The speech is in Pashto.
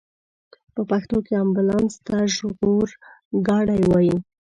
په پښتو کې امبولانس ته ژغورګاډی وايي.